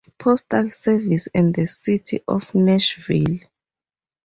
Postal Service, and the city of Nashville.